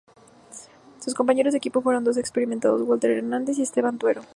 Sus compañeros de equipo fueron dos experimentados: Walter Hernández y Esteban Tuero.